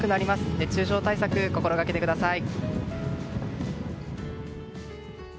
熱中症対策を心掛けてください。